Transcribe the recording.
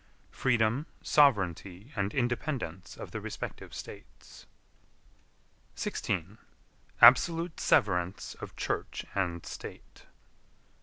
Freedom, sovereignty and independence of the respective States. 16. Absolute severance of Church and State.